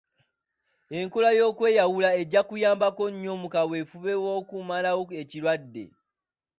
Enkola oy’okweyawula ejja kuyamba nnyo mu kaweefube w'okumalawo ekirwadde.